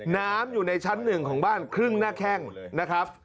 น้ำอยู่ในชั้นหนึ่งของบ้านครึ่งหน้าแข้งนะครับ